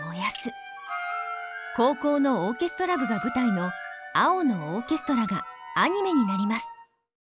高校のオーケストラ部が舞台の「青のオーケストラ」がアニメになります。